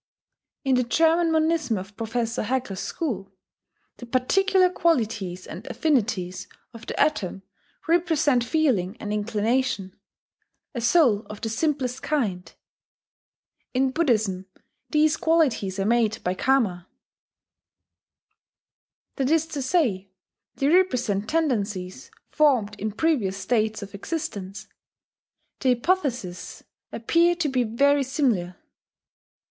In the German monism of Professor Haeckel's school, the particular qualities and affinities of the atom represent feeling and inclination, "a soul of the simplest kind"; in Buddhism these qualities are made by Karma, that is to say, they represent tendencies formed in previous states of existence. The hypotheses appear to be very similar.